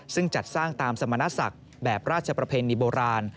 ซึ่งจัดสร้างตามสมณศักดิ์แบบราชประเพณีโบราณ